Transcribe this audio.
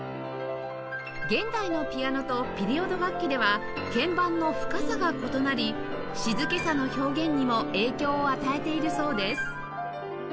現代のピアノとピリオド楽器では鍵盤の深さが異なり静けさの表現にも影響を与えているそうです